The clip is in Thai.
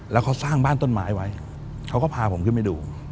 แล้วเขาสร้างบ้านต้นไม้ไว้เขาก็พาผมขึ้นไปดู